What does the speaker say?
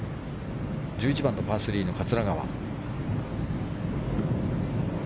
１１番のパー３の桂川。